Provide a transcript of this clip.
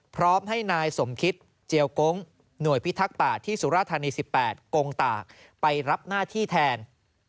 พร้อมให้นายสมคิตเจียวกงหน่วยพิทักษ์ป่าที่สุราธานี๑๘กงตากไปรับหน้าที่แทน